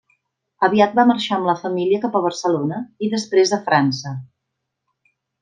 Aviat va marxar amb la família cap a Barcelona i després a França.